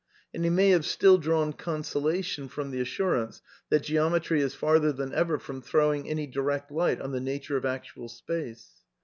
And he may have still drawn consolation from the assurance that Geometry is farther than ever from throwing " any direct light on the nature of actual space."